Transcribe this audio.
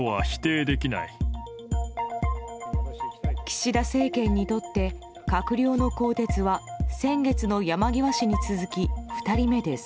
岸田政権にとって閣僚の更迭は先月の山際氏に続き、２人目です。